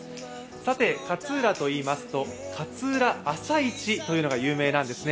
さて勝浦といいますと、勝浦朝市というのが有名なんですね。